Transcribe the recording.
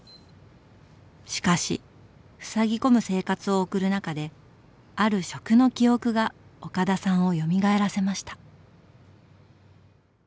しかしふさぎ込む生活を送る中である食の記憶が岡田さんをよみがえらせました。